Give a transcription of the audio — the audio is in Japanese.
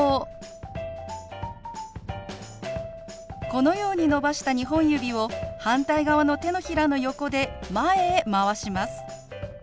このように伸ばした２本指を反対側の手のひらの横で前へ回します。